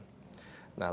nah lalu juga warehouse